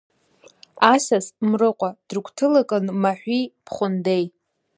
Асас, Мрыҟәа, дрыгәҭылакын маҳәи бхәындеи.